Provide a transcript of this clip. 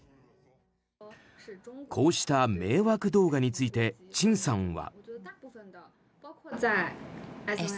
こうした迷惑動画についてチンさんは。